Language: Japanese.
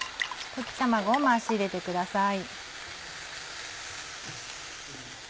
溶き卵を回し入れてください。